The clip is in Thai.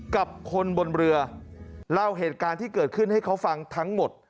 กับคนบนเรือเล่าเหตุการณ์ที่เกิดขึ้นให้เขาฟังทั้งหมด